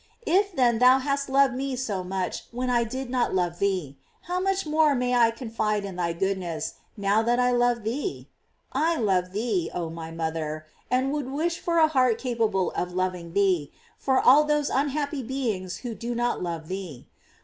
If then thou hast loved me so much when I did not love thee, how much more may I confide in thy goodness, now that I love thee? I love thee, oh my mother, and would wish for a heart capable of loving thee, for all those unhappy beings who do not love thee.